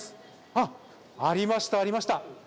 あっ、ありました、ありました。